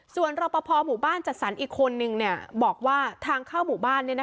ส่วนรอปภหมู่บ้านจัดสรรอีกคนนึงบอกว่าทางเข้าหมู่บ้าน